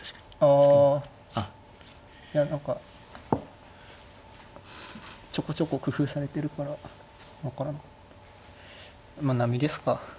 あいや何かちょこちょこ工夫されてるから分からなかった。